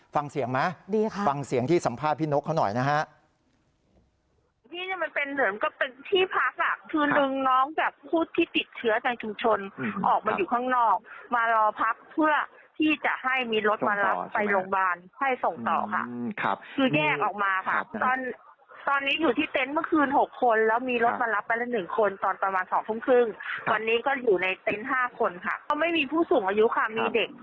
ฟังเสียงไหมฟังเสียงที่สัมภาพพี่นกเข้าหน่อยนะคะเยี่ยม